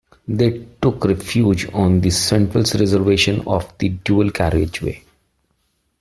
They took refuge on the central reservation of the dual carriageway